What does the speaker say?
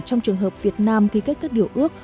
trong trường hợp việt nam ký kết các điều ước